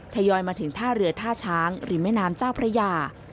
ยอยมาถึงท่าเรือท่าช้างริมแม่น้ำเจ้าพระยา